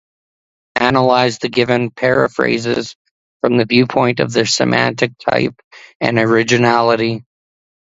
Analyse the given periphrases from the viewpoint of their semantic type and originality.